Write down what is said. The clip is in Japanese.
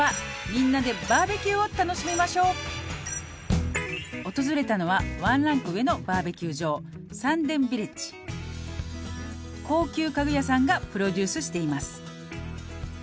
「みんなでＢＢＱを楽しみましょう」「訪れたのはワンランク上のＢＢＱ場」「高級家具屋さんがプロデュースしています」